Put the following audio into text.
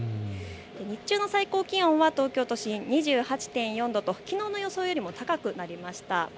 日中の最高気温は東京都心２８．４度ときのうの予想よりも高くなりました。